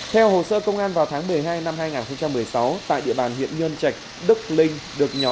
theo hồ sơ công an vào tháng một mươi hai năm hai nghìn một mươi sáu tại địa bàn huyện nhân trạch đức linh được nhỏ